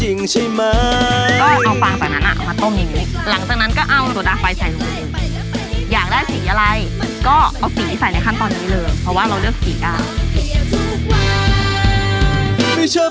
หลังจากนั้นก็เอาตัวด่าไฟใส่ลง